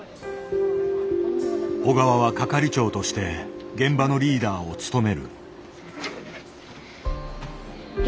小川は係長として現場のリーダーを務める。